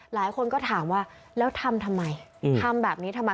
หลายคนก็ถามว่าแล้วทำทำไมทำแบบนี้ทำไม